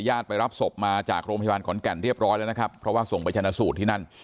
ไปรับศพมาจากโรงพยาบาลขอนแก่นเรียบร้อยแล้วนะครับเพราะว่าส่งไปชนะสูตรที่นั่น